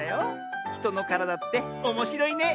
ひとのからだっておもしろいね。